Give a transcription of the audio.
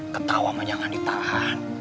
ketawa menyangan di tahan